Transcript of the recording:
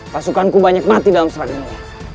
pasukan ku banyak mati dalam seragamu